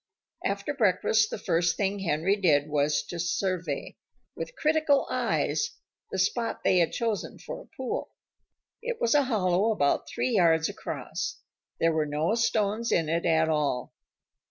After breakfast the first thing Henry did was to survey, with critical eyes, the spot they had chosen for a pool. It was a hollow about three yards across. There were no stones in it at all.